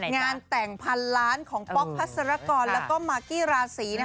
งานแต่งพันล้านของป๊อกพัศรกรแล้วก็มากกี้ราศี